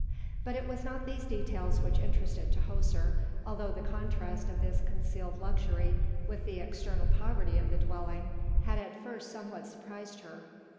But it was not these details which interested Tahoser, although the contrast of this concealed luxury with the external poverty of the dwelling had at first somewhat surprised her.